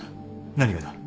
何がだ？